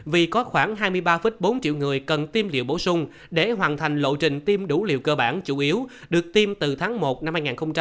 vì có khoảng hai mươi ba bốn triệu người cần tiêm liệu bổ sung để hoàn thành lộ trình tiêm đủ liều cơ bản chủ yếu được tiêm từ tháng một năm hai nghìn hai mươi